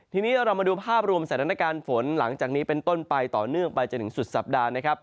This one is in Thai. ทีนี้เรามาดูภาพรวมสถานการณ์ฝนหลังจากนี้เป็นต้นไปต่อเนื่องไปจนถึงสุดสัปดาห์นะครับ